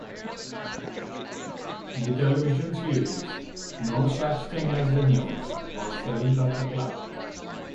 The television series "No Such Thing as the News" was filmed at the club.